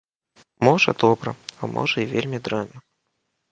Можа, добра, а можа, і вельмі дрэнна.